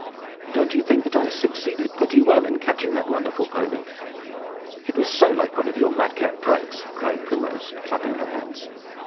"Don't you think that I succeeded pretty well in catching that wonderful pony?" "It was so like one of your madcap pranks!" cried Primrose, clapping her hands.